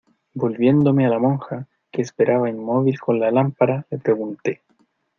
volviéndome a la monja, que esperaba inmóvil con la lámpara , le pregunté: